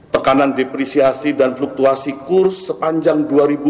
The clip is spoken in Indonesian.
tekanan depresiasi dan fluktuasi kurs sepanjang dua ribu dua puluh